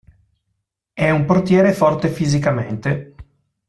È un portiere forte fisicamente.